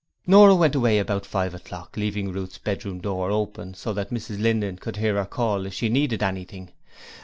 Nora went away about five o'clock, leaving Ruth's bedroom door open so that Mrs Linden could hear her call if she needed anything.